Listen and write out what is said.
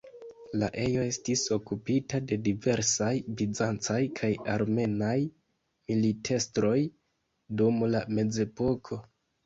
La ejo estis okupita de diversaj bizancaj kaj armenaj militestroj dum la Mezepoko.